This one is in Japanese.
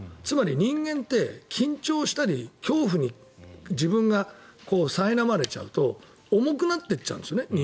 つまり、人間って緊張したり恐怖に自分がさいなまれちゃうと重くなっていっちゃうんですね。